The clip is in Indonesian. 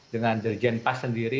dengan dirjen pas sendiri